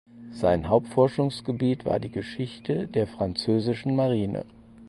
Sein Hauptforschungsgebiet war die Geschichte der französischen Marine.